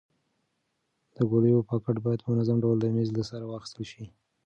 د ګولیو پاکټ باید په منظم ډول د میز له سره واخیستل شي.